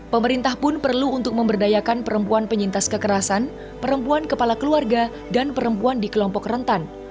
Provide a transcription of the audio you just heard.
pemerintah pun perlu untuk memberdayakan perempuan penyintas kekerasan perempuan kepala keluarga dan perempuan di kelompok rentan